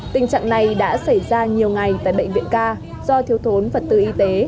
tình trạng này đã xảy ra nhiều ngày tại bệnh viện ca do thiếu thốn vật tư y tế